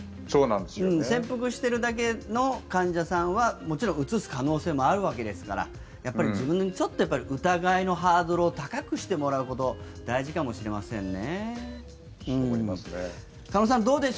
潜伏しているだけの患者さんはもちろんうつす可能性はあるわけですからやっぱりちょっと自分に疑いのハードルを高くしてもらうことが大事かもしれませんね。